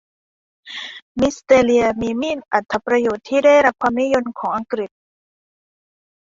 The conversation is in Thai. มีดสแตนลีย์เป็นมีดอรรถประโยชน์ที่ได้รับความนิยมของอังกฤษ